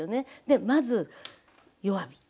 でまず弱火。